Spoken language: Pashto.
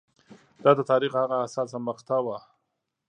دا د تاریخ هغه حساسه مقطعه وه